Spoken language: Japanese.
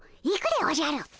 行くでおじゃる！